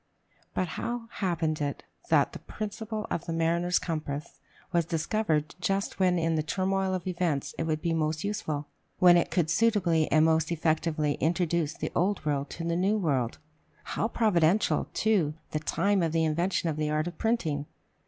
But how happened it that the principle of the mariner's compass was discovered just when in the turmoil of events it would be most useful when it could suitably and most effectively introduce the old to the new world? How providential, too, the time of the invention of the art of printing!